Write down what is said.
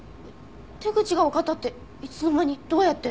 手口がわかったっていつの間にどうやって？